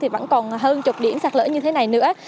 vẫn còn hơn chục điểm sạt lở như thế này nữa